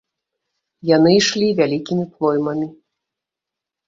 Яны ішлі вялікімі плоймамі.